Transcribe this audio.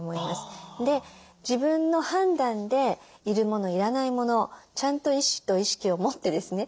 で自分の判断で要るもの要らないものちゃんと意思と意識を持ってですね